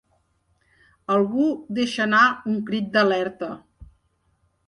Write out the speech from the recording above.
Algú deixa anar un crit d'alerta.